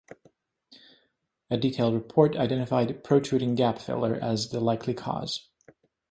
A detailed report identified protruding gap filler as the likely cause.